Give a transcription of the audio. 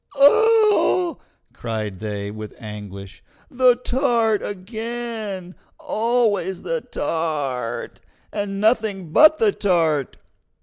"Ah!" cried they, with anguish, "the tart again! Always the tart, and nothing but the tart!